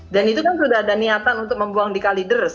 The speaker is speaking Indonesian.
dan itu kan sudah ada niatan untuk membuang di kaliders